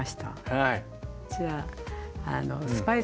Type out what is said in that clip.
はい。